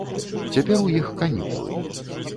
Цяпер ў іх канікулы.